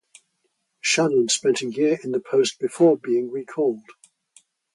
Shannon spent a year in the post before being recalled.